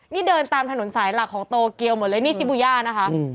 นี่เดินตามถนนสายหลักของโตเกียวหมดเลยนี่ซิบูย่านะคะ